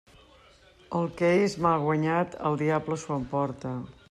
El que és mal guanyat el diable s'ho emporta.